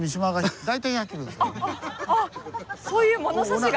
あっそういう物差しが。